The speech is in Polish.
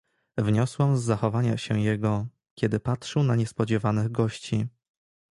"Wnosiłam z zachowania się jego, kiedy patrzył na niespodziewanych gości."